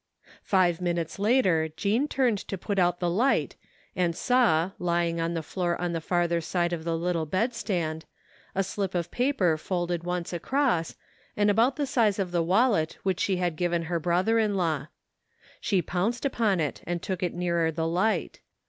Five minutes later Jean turned to put out the light and saw, lying on the floor on the farther side of the 111 THE FINDING OF JASPER HOLT little bed stand, a slip of paper folded once across, and about the size of the wallet which she had given her hrother in law. She pounced upon it and took it nearer the light.